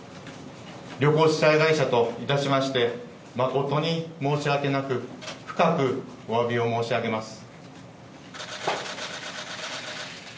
旅行主催会社といたしまして、誠に申し訳なく、深くおわびを申し上げます。